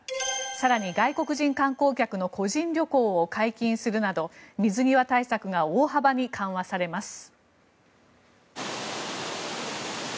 更に外国人観光客の個人旅行を解禁するなど水際対策が大幅に緩和されます。